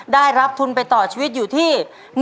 ได้รับทุนไปต่อชีวิตอยู่ที่